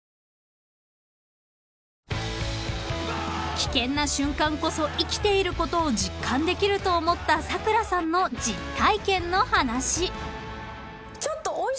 ［危険な瞬間こそ生きていることを実感できると思った咲楽さんの実体験の話］